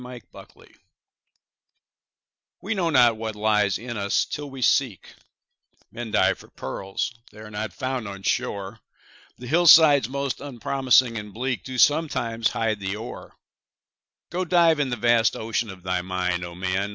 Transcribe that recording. HIDDEN GEMS We know not what lies in us, till we seek; Men dive for pearls—they are not found on shore, The hillsides most unpromising and bleak Do sometimes hide the ore. Go, dive in the vast ocean of thy mind, O man!